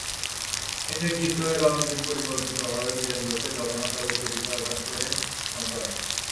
এতে ক্ষিপ্ত হয়ে রণজিৎ পরিকল্পিতভাবে বীরেন্দ্রকে জগন্নাথ হলে ছুরিকাঘাত করে খুন করেন।